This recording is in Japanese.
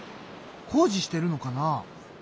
工事してるのかな？